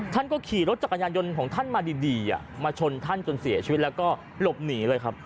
ท่านก็ขี่รถจักรยานยนต์ของท่านมาดีมาชนท่านจนเสียชีวิตแล้วก็หลบหนีเลยครับ